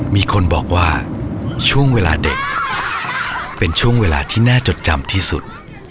มีคนบอกว่าช่วงเวลาเด็กเป็นช่วงเวลาที่น่าจดจำที่สุด